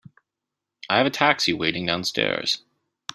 I have a taxi waiting downstairs.